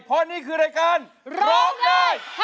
เพราะนี่คือรายการร้องได้เฮ้ยล้า